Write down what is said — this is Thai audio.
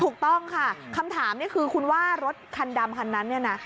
ถูกต้องค่ะคำถามนี่คือคุณว่ารถคันดำคันนั้นเนี่ยนะ